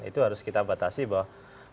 itu harus kita batasi bahwa